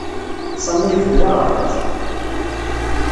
Sami ibeddel aɣerbaz.